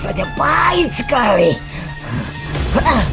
saya sudah berusaha untuk menghidupkan saya